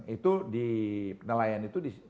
itu di penelayan itu